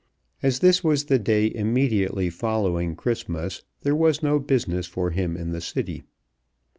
As this was the day immediately following Christmas, there was no business for him in the City.